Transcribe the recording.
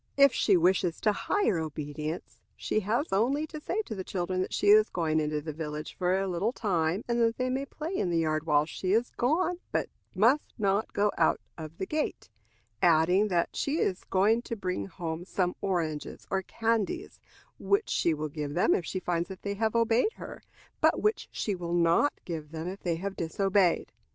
If she wishes to hire obedience, she has only to say to the children that she is going into the village for a little time, and that they may play in the yard while she is gone, but must not go out of the gate; adding, that she is going to bring home some oranges or candies, which she will give them if she finds that they have obeyed her, but which she will not give them if they have disobeyed.